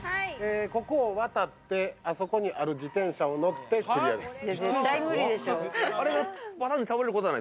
ここを渡ってあそこにある自転車に乗ってクリアです。